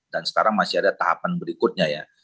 dan sekarang masih ada tahapan berikutnya ya